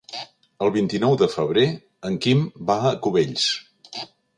El vint-i-nou de febrer en Quim va a Cubells.